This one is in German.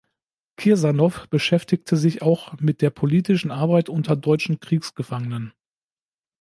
Kirsanow beschäftigte sich auch mit der politischen Arbeit unter deutschen Kriegsgefangenen.